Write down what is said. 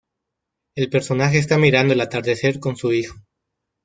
El personaje está mirando el atardecer con su hijo.